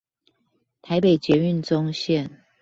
台北捷運棕線